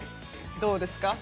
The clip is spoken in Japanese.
どうですか？